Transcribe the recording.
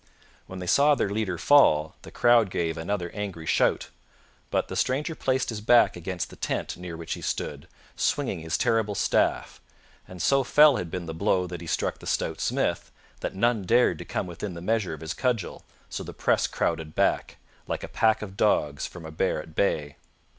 When they saw their leader fall, the crowd gave another angry shout; but the stranger placed his back against the tent near which he stood, swinging his terrible staff, and so fell had been the blow that he struck the stout smith that none dared to come within the measure of his cudgel, so the press crowded back, like a pack of dogs from a bear at bay.